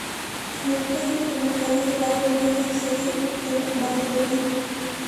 El grupo de supermercados El Árbol tiene su sede en Valladolid.